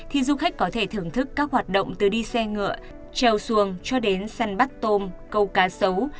thì du khách có thể thưởng thức các hoạt động từ đi xe ngựa trèo xuồng cho đến săn bắt tôm câu cá sấu